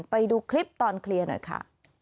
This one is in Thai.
ไปดูคลิปตอนเคลียร์หน่อยค่ะ